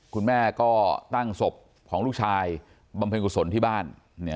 คุณแม่ก็ตั้งศพของลูกชายบำเพ็ญกุศลที่บ้าน